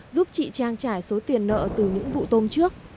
giúp chị trang trải số tiền nợ từ những vụ tôm trước